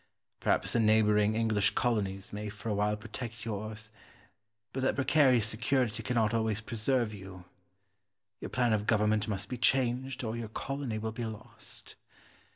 Perhaps the neighbouring English colonies may for a while protect yours; but that precarious security cannot always preserve you. Your plan of government must be changed, or your colony will be lost.